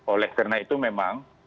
oleh karena itu memang